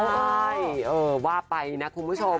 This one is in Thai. ใช่ว่าไปนะคุณผู้ชม